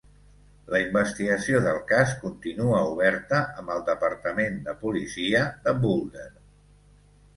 La investigació del cas continua oberta amb el departament de policia de Boulder.